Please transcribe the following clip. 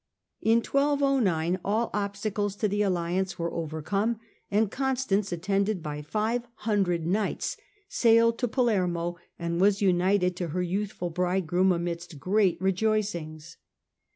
In 1209 all obstacles to the alliance were overcome, and Constance, attended by five hundred knights, sailed to Palermo and was united to her youthful bridegroom amidst great rejoicings.